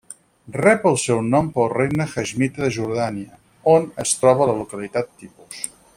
Rep el seu nom pel regne Haiximita de Jordània, on es troba la localitat tipus.